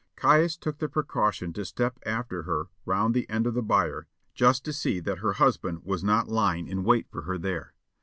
Caius took the precaution to step after her round the end of the byre, just to see that her husband was not lying in wait for her there.